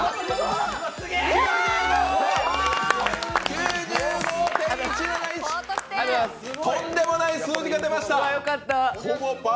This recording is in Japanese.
８５．１７１、とんでもない点が出ました